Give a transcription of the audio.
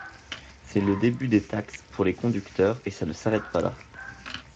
C’est le début des taxes pour les conducteurs, et ça ne s’arrête pas là.